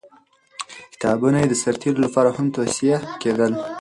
کتابونه یې د سرتېرو لپاره هم توصیه کېدل.